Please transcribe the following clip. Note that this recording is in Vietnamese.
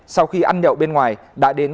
sau khi ăn nhậu bên ngoài đã đến